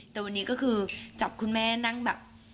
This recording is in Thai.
แต่วันนี้ก็คือจับคุณแม่นั่งแบบ